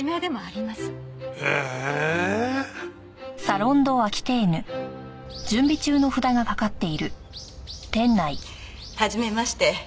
ええ！はじめまして。